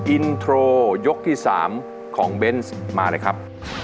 อินโทรยกที่๓ของเบนส์มาเลยครับ